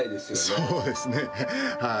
そうですねはい。